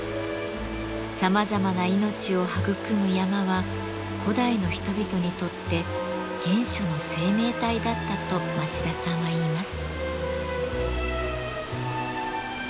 さまざまな命を育む山は古代の人々にとって原初の生命体だったと町田さんはいいます。